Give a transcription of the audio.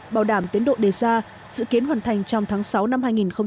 bảo đảm tiến độ đề ra dự kiến hoàn thành trong tháng sáu năm hai nghìn một mươi tám